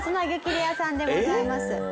レアさんでございます。